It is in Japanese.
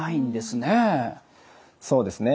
そうですね。